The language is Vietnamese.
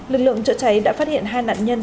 lực lượng chữa cháy đã phát hiện hai nạn nhân